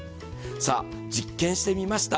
さあ、実験してみました。